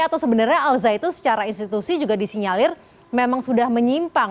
atau sebenarnya al zaitun secara institusi juga disinyalir memang sudah menyimpang